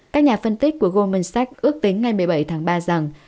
các nhà phân tích của goldman sachs ước tính ngày một mươi bảy tháng ba rằng